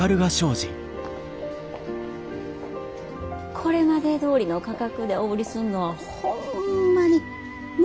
これまでどおりの価格でお売りすんのはホンマに無理なんです。